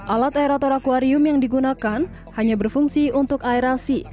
alat aerator akuarium yang digunakan hanya berfungsi untuk aerasi